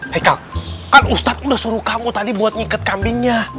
heka kan ustadz udah suruh kamu tadi buat ngikat kambingnya